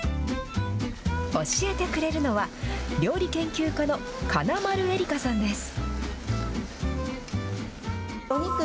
教えてくれるのは、料理研究家の金丸絵里加さんです。